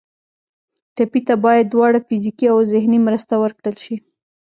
ټپي ته باید دواړه فزیکي او ذهني مرسته ورکړل شي.